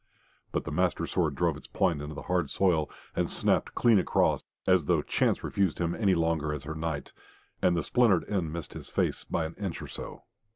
But the master's sword drove its point into the hard soil, and snapped clean across, as though Chance refused him any longer as her Knight, and the splintered end missed his face by an inch or so.